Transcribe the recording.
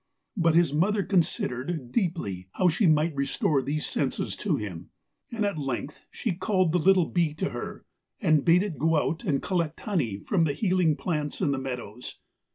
But his mother considered deeply how she might restore these senses to him, and at length she called the little bee to her, and bade it go out and collect honey from the healing plants in the meadows.